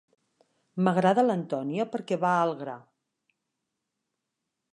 M'agrada l'Antonia perquè va al gra.